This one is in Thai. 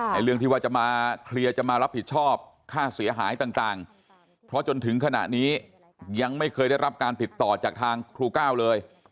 เรื่องที่ว่าจะมาเคลียร์จะมารับผิดชอบค่าเสียหายต่างเพราะจนถึงขณะนี้ยังไม่เคยได้รับการติดต่อจากทางครูก้าวเลย